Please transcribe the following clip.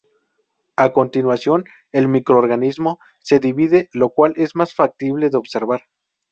A continuación, el microorganismo se divide, lo cual es más factible de observar.